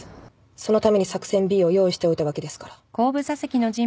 そのために作戦Ｂを用意しておいたわけですから。